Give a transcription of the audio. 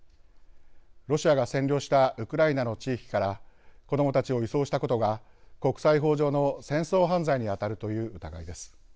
ロシアが占領したウクライナの地域から子どもたちを移送したことが国際法上の戦争犯罪にあたるという疑いです。